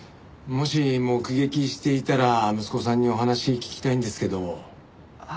もし目撃していたら息子さんにお話聞きたいんですけど。